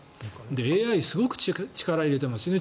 ＡＩすごく力入れていますよね